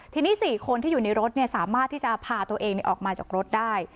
ทีนี้๔คนที่อยู่ในรถสามารถที่จะพาตัวเองออกมาจากรถได้